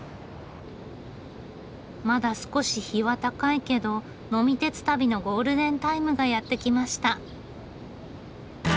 まだ少し日は高いけど呑み鉄旅のゴールデンタイムがやってきました。